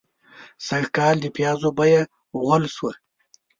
سږکال د پيازو بيه غول شوه.